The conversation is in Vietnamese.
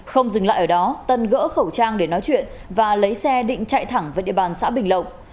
không dừng lại ở đó tân gỡ khẩu trang để nói chuyện và lấy xe định chạy thẳng với địa bàn xã bình lộng